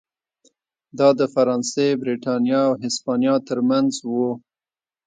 دا د فرانسې، برېټانیا او هسپانیا ترمنځ و.